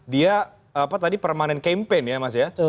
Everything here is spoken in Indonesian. dia tadi permanen campaign ya mas ya